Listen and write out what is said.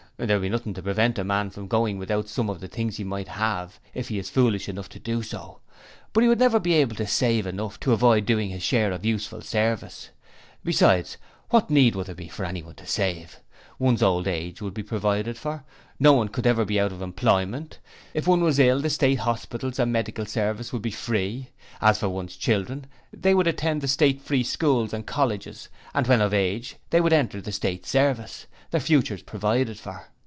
'There will be nothing to prevent a man going without some of the things he might have if he is foolish enough to do so, but he would never be able to save up enough to avoid doing his share of useful service. Besides, what need would there be for anyone to save? One's old age would be provided for. No one could ever be out of employment. If one was ill the State hospitals and Medical Service would be free. As for one's children, they would attend the State Free Schools and Colleges and when of age they would enter the State Service, their futures provided for.